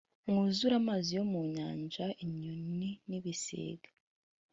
mwuzure amazi yo mu nyanja inyoni n ibisiga